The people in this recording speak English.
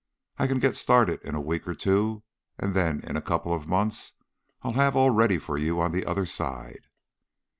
I can get started in a week or two, and then in a couple of months I'll have all ready for you on the other side."